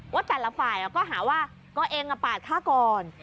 ว่าแต่ละฝ่ายอ่ะก็หาว่าก็เองอ่ะปาดข้าก่อน